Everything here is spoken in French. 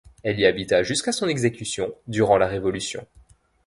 Il y habita jusqu'à son exécution durant la révolution.